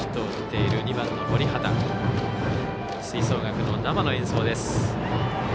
吹奏楽の生の演奏です。